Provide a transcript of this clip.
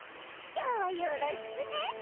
今日はよろしくね！